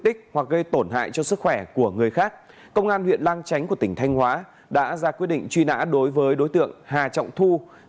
tại khu phố nguyễn trãi thị trấn lang chánh